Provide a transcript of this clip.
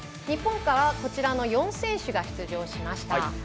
日本からはこちらの４選手が出場しました。